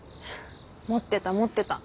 持ってた持ってた。